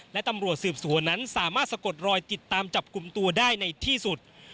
และตำรวจสืบสวนนั้นสามารถสะกดรอยติดตามจับกลุ่มตัวได้ในที่สุด